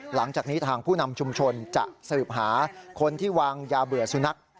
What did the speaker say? หลังจากนี้ทางผู้นำชุมชนจะสืบหาคนที่วางยาเบื่อสุนัข